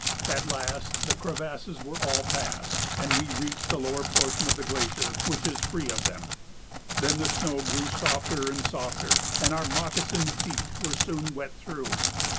At last the crevasses were all passed and we reached the lower portion of the glacier, which is free of them. Then the snow grew softer and softer, and our moccasined feet were soon wet through.